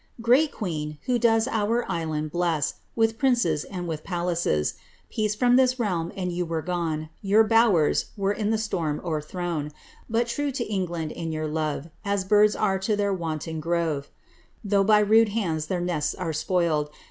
Great queen, who does our island bless With princes and with palnccii, Peace from lliis realm and yuu were gone. Your bowers wore in the storm o'erthrown. But true to England in your love, As birds are to their wontcil grove, * Pepys, vol. i. p. 290. HENRIETTA MARIA. 18S Though by rude hands their nests are spoiled.